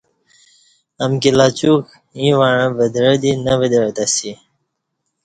امکی لاچوک ییں وعں ودعہ دی نہ ودعہ تسی